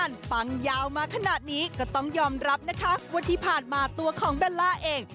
ฟังยาวมาขนาดนี้ก็ต้องยอมรับนะคะว่าที่ผ่านมาตัวของเบลล่าเอง